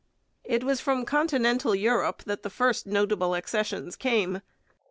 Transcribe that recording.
It was from Continental Europe that the first notable accessions came.